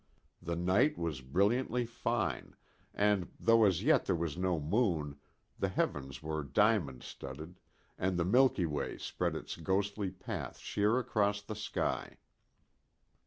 The night was brilliantly fine, and though as yet there was no moon, the heavens were diamond studded, and the milky way spread its ghostly path sheer across the sky.